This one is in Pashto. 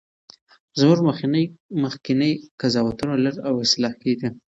زموږ مخکني قضاوتونه لږ او اصلاح کیږي.